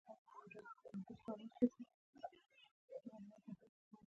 دا د ولسواکۍ په معنا و خو پلورالېزم نه ګڼل کېده.